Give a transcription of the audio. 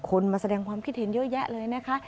มาแสดงความคิดเห็นเยอะแยะเลยนะคะ